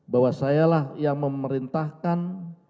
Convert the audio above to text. bahwa saya lah yang memerintahkan